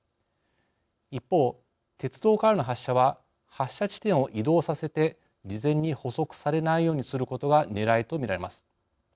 一方、鉄道からの発射は発射地点を移動させて事前に捕捉されないようにすることがねらいとみられます。